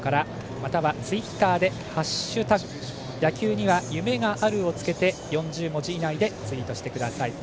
またはツイッターで「＃野球には夢がある」をつけて４０文字以内でツイートしてください。